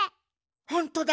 ほんとだ！